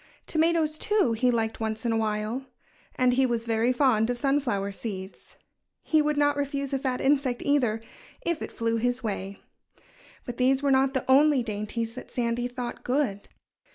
Tomatoes, too, he liked once in a while. And he was very fond of sunflower seeds. He would not refuse a fat insect, either, if it flew his way. But these were not the only dainties that Sandy thought good.